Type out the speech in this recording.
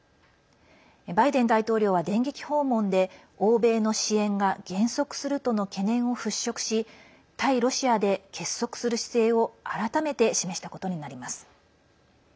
バイデン大統領は電撃訪問で欧米の支援が減速するとの懸念をふっしょくし対ロシアで結束する姿勢を改めて示したことになります。